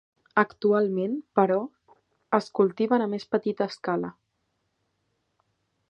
Actualment, però, és cultiven a més petita escala.